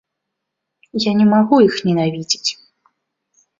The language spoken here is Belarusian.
Я не магу іх ненавідзець.